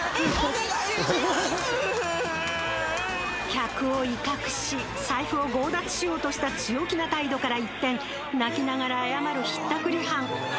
客を威嚇し財布を強奪しようとした強気な態度から一転泣きながら謝るひったくり犯。